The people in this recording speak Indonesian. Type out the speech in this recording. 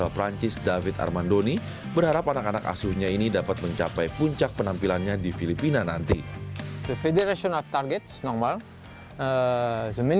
perancis david armandoni berharap anak anak asuhnya ini dapat mencapai puncak penampilannya di filipina nanti